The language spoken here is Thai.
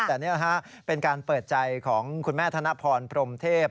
แต่นี่นะฮะเป็นการเปิดใจของคุณแม่ธนพรพรมเทพ